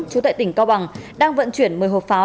trú tại tỉnh cao bằng đang vận chuyển một mươi hộp pháo